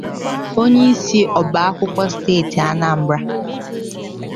onyeisi ọba akwụkwọ Steeti Anambra